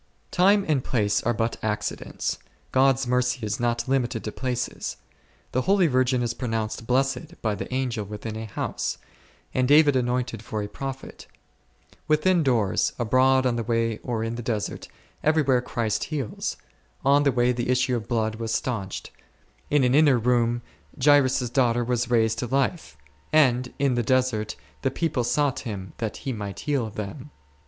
Time and place are but accidents ; God's mercy is not limited to places ; the holy Virgin is pronounced blessed by the Angel within a house ; and David ' Psalm viii. 2. 1 St. Matt. xix. 14. u Cant. i. 3 ; viii. 2. O O c 17 anointed for a prophet ; within doors, abroad on the way or in the desert, everywhere Christ heals ; on the way the issue of blood was staunched, in an inner room Jairus' daughter raised to life, and in the desert the people sought Him that He might heal them.